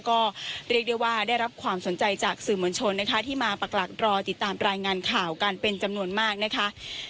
ก็เรียกได้ว่าได้รับความสนใจจากสื่อมวลชนนะคะที่มาปรักหลักรอติดตามรายงานข่าวกันเป็นจำนวนมากนะคะ